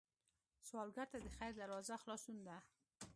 سوالګر ته د خیر دروازه خلاصون ده